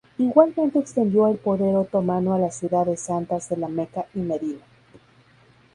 Igualmente extendió el poder otomano a las ciudades santas de La Meca y Medina.